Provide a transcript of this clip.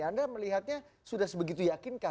anda melihatnya sudah sebegitu yakinkah